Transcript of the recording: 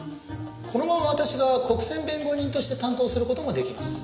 このまま私が国選弁護人として担当する事もできます。